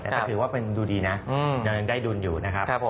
แต่ก็ถือว่าเป็นดูดีนะยังได้ดุลอยู่นะครับผม